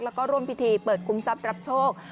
แล้วก็ร่วมพิธีเปิดคุ้มทรัพย์รับโชค